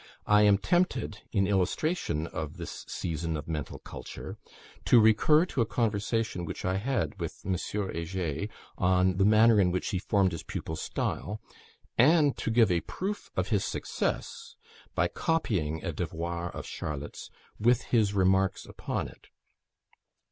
I am tempted, in illustration of this season of mental culture, to recur to a conversation which I had with M. Heger on the manner in which he formed his pupils' style, and to give a proof of his success, by copying a devoir of Charlotte's with his remarks upon it.